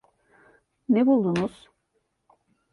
Ne buldunuz?